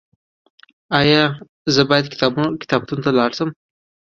ایا زه باید کتابتون ته لاړ شم؟